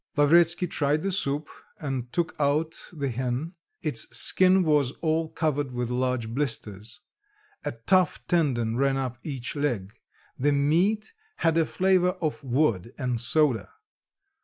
Lavretsky tried the soup, and took out the hen; its skin was all covered with large blisters; a tough tendon ran up each leg; the meat had a flavour of wood and soda.